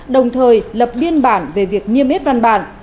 đồng thời lập biên bản về việc niêm yết văn bản